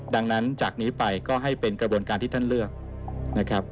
ดังนั้นจากนี้ไปก็ให้เป็นกระบวนการที่ท่านเลือกนะครับ